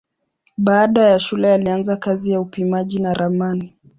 Baada ya shule alianza kazi ya upimaji na ramani.